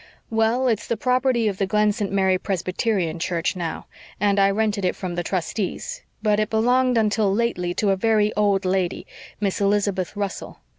"Well, it's the property of the Glen St. Mary Presbyterian Church now, and I rented it from the trustees. But it belonged until lately to a very old lady, Miss Elizabeth Russell.